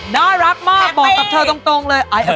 น่ารักมากบอกกับเธอตรงเลย